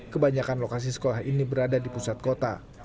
kebanyakan lokasi sekolah ini berada di pusat kota